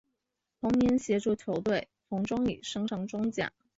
同年协助球队从中乙升上中甲。